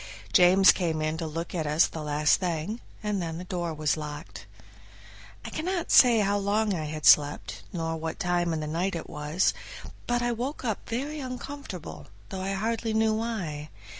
James came in to look at us the last thing, and then the door was locked. I cannot say how long I had slept, nor what time in the night it was, but I woke up very uncomfortable, though I hardly knew why.